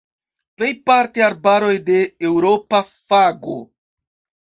Plejparte arbaroj de eŭropa fago.